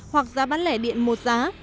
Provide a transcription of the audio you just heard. hoặc giá bán lẻ điện một giá